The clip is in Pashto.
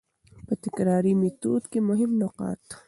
په تکراري ميتود کي مهم نقاط: